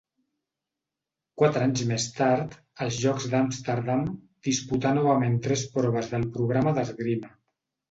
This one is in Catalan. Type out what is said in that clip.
Quatre anys més tard, als Jocs d'Amsterdam, disputà novament tres proves del programa d'esgrima.